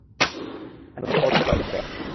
আমি কথা বলতে পারি, স্যার!